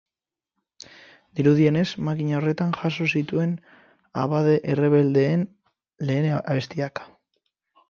Dirudienez, makina horretan jaso zituen abade errebeldeen lehen abestiak.